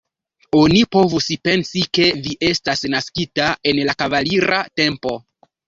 Oni povus pensi, ke vi estas naskita en la kavalira tempo.